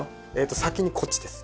先にこっちです。